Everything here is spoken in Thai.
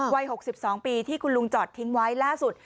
วัย๖๒ปีที่คุณลุงจอดทิ้งไว้ล่าสุด